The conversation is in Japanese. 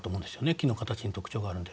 木の形に特徴があるので。